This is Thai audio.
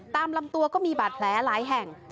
ตามลำตัวก็มีบาดแผลหลายแห่ง